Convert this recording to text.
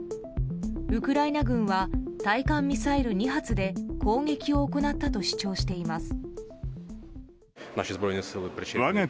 ウクライナ軍は対艦ミサイル２発で攻撃を行ったと主張しています。